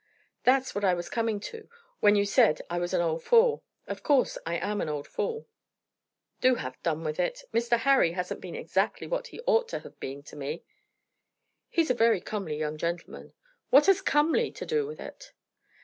"That's what I was coming to when you said I was an old fool. Of course I am an old fool." "Do have done with it! Mr. Harry hasn't been exactly what he ought to have been to me." "He's a very comely young gentleman." "What has comely to do with it?"